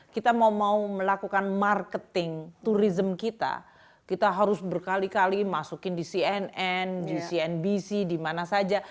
kita mau mau melakukan marketing tourism kita kita harus berkali kali masukin di cnn di cnbc di mana saja